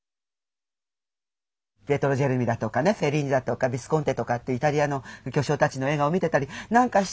ピエトロ・ジェルミだとかねフェリーニだとかヴィスコンティとかってイタリアの巨匠たちの映画を見てたりなんかして。